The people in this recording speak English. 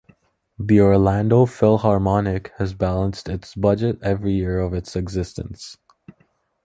The Orlando Philharmonic has balanced its budget every year of its existence.